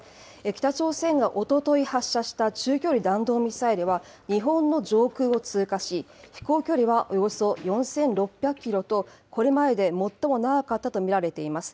北朝鮮がおととい発射した中距離弾道ミサイルは、日本の上空を通過し、飛行距離はおよそ４６００キロと、これまでで最も長かったと見られています。